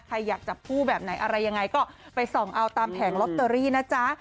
ใครอยากจับคู่แบบไหนอะไรยังไงก็ไปส่องเอาตามแผงลอตเตอรี่นะจ๊ะ